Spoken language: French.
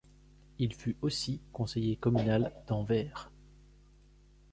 Il fut aussi conseiller communal d'Anvers.